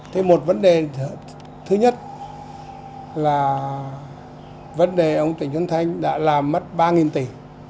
thì một vấn đề thứ nhất là vấn đề ông trị xuân thanh đã làm mất ba tỷ